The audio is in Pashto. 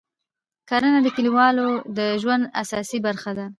کرنه د کلیوالو د ژوند اساسي برخه ده